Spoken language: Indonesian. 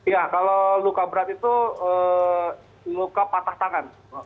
ya kalau luka berat itu luka patah tangan